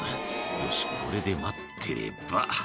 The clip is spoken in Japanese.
「よしこれで待ってれば」